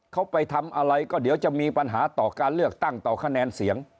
เขาไปทำอะไรก็เดี๋ยวจะมีปัญหาต่อการเลือกตั้งต่อคะแนนเสียง